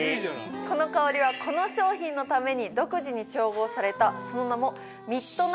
この香りはこの商品のために独自に調合されたその名も。